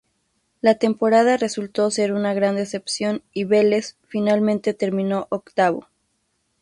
La temporada resultó ser una gran decepción y Velež, finalmente, terminó octavo.